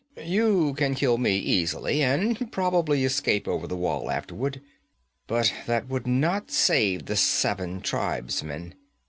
'You can kill me easily, and probably escape over the wall afterward. But that would not save the seven tribesmen.